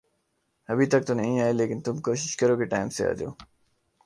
ابھی تک تو نہیں آئے، لیکن تم کوشش کرو کے ٹائم سے آ جاؤ۔